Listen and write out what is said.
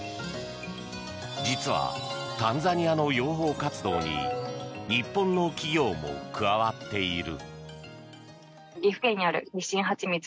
実は、タンザニアの養蜂活動に日本の企業も加わっている。